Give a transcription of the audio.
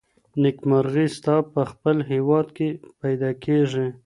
نېکمرغي ستا په خپل هیواد کي پیدا کیږي.